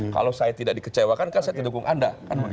kalau saya tidak dikecewakan kan saya tidak dukung anda